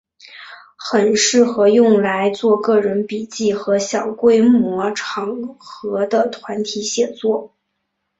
很适合用来做个人笔记和小规模场合的团体写作。